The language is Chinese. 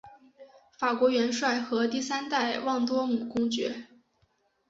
法国元帅和第三代旺多姆公爵。